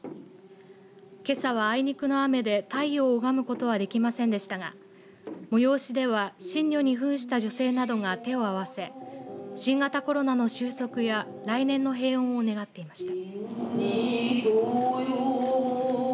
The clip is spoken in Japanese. けさはあいにくの雨で太陽を拝むことはできませんでしたが催しでは神女にふんした女性などが手を合わせ新型コロナの収束や来年の平穏を願っていました。